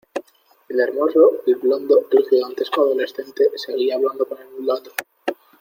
el hermoso, el blondo , el gigantesco adolescente , seguía hablando con el mulato